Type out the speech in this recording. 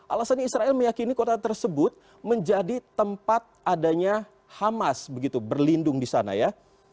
alasannya israel meyakini kota tersebut menjadi tempat adanya hamas begitu berlindung di sana ya